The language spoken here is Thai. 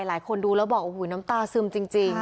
หลายคนดูแล้วบอกโอ้โหน้ำตาซึมจริง